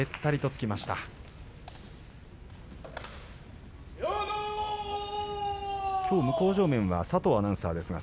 きょう向正面は佐藤アナウンサーです。